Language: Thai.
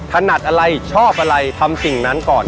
ถนัดอะไรชอบอะไรทำสิ่งนั้นก่อน